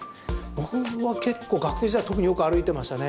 僕は結構、学生時代特によく歩いていましたね。